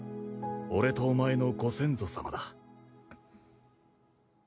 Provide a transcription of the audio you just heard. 俺とお前のご先祖様だ。